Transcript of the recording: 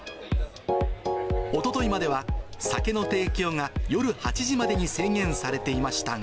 おとといまでは、酒の提供が夜８時までに制限されていましたが。